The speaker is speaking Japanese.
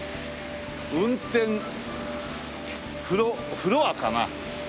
運転フロフロアかな？